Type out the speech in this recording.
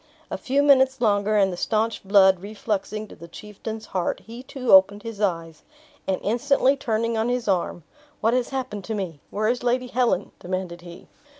A few minutes longer, and the staunched blood refluxing to the chieftain's heart, he too opened his eyes; and instantly turning on his arm "What has happened to me? Where is Lady Helen?" demanded he.